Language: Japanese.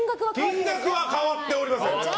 金額は変わっておりません！